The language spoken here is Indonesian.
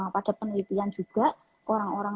pada penelitian juga orang orang